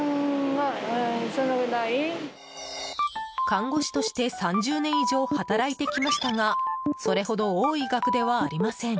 看護師として３０年以上働いてきましたがそれほど多い額ではありません。